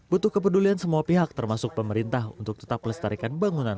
butuh kepedulian semua pihak termasuk pemerintah untuk tetap melestarikan bangunan